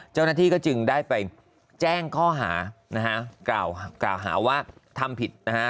เจ้าหน้าที่ก็จึงได้ไปแจ้งข้อหานะฮะกล่าวหาว่าทำผิดนะฮะ